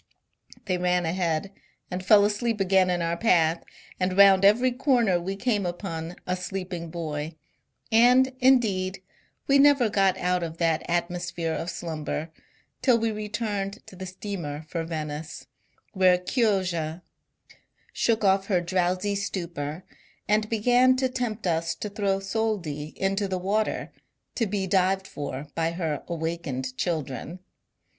They ran ahead, and fell asleep again in our path, and round every corner we came upon a sleeping bov ; and, indeed, we never got out of that atmosphere of slumber till we returned to the steamer for Venice, when Chioggia shook off her drowsy stupor, and began to tempt us to throw soldi into the water, to be dived for by her awakened children.